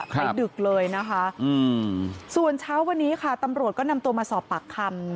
ไปดึกเลยนะคะส่วนเช้าวันนี้ค่ะตำรวจก็นำตัวมาสอบปากคำ